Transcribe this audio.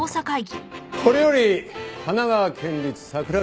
これより神奈川県立桜木